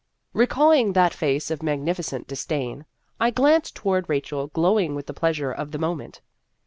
Recalling that face of magnificent dis dain, I glanced toward Rachel glowing with the pleasure of the moment.